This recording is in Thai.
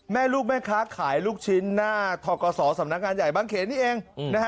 แม่ลูกแม่ค้าขายลูกชิ้นหน้าทกศสำนักงานใหญ่บางเขนนี่เอง